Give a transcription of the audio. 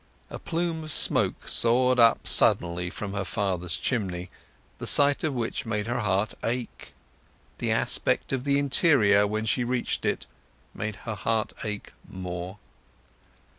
A plume of smoke soared up suddenly from her father's chimney, the sight of which made her heart ache. The aspect of the interior, when she reached it, made her heart ache more.